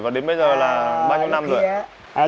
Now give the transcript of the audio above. và đến bây giờ là bao nhiêu năm rồi